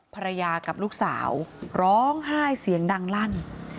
ภรรยากับลูกสาวร้องไห้เสียงดังลั่น